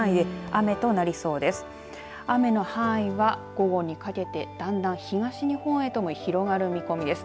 雨の範囲は午後にかけてだんだん東日本へとも広がる見込みです。